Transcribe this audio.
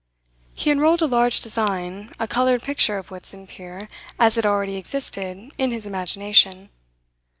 He unrolled a large design, a coloured picture of Whitsand pier as it already existed in his imagination.